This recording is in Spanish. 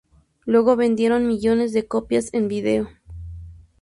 Luego vendieron millones de copias en vídeo.